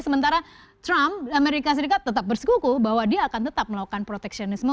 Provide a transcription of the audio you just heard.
sementara trump amerika serikat tetap bersekuku bahwa dia akan tetap melakukan proteksionisme